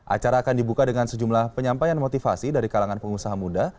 acara akan dibuka dengan sejumlah penyampaian motivasi dari kalangan pengusaha muda